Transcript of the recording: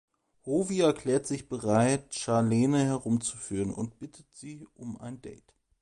Howie erklärt sich bereit, Charlene herumzuführen und bittet sie um ein Date.